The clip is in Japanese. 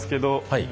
はい。